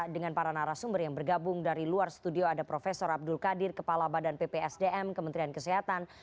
dengan para narasumber yang bergabung dari luar studio ada prof abdul qadir kepala badan ppsdm kementerian kesehatan